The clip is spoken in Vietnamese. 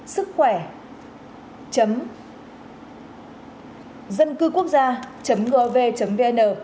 sức khỏe dâncưquốc gia gov vn